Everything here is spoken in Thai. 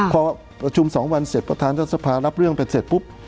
พอประชุม๒วันเสร็จประธานรัฐสภารับเรื่องไปเสร็จปุ๊บ